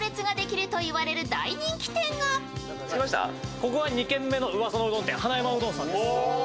ここが２軒目のうわさのうどん店花山うどんさんです。